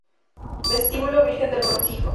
Vestíbulo Virgen del Cortijo